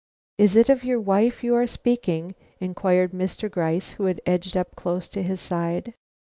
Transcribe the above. "Is it of your wife you are speaking?" inquired Mr. Gryce, who had edged up close to his side.